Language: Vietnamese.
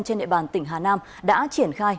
trên nệp bàn tỉnh hà nam đã triển khai